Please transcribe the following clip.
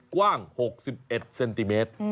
กว้าง๖๑เซนติเมตร